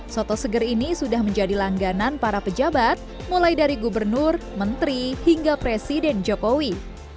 soto seger ini sudah menjadi langganan para pejabat mulai dari gubernur menteri hingga presiden jokowi